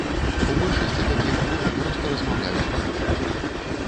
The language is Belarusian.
У большасці такіх груп проста размаўляюць па-руску.